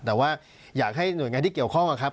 แต่ว่าอยากให้หน่วยงานที่เกี่ยวข้องนะครับ